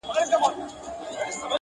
د دروازې له ښورېدو سره سړه سي خونه!!